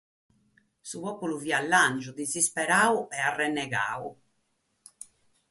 Su pòpulu nche fiat istasidu, isporadu e cròmpidu a su derre.